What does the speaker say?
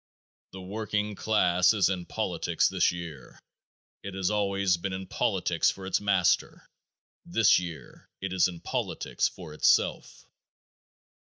The working class is in politics this year. It has always been in politics for its master; this year it is in politics for itself.